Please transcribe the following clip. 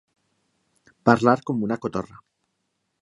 Parlar com una cotorra.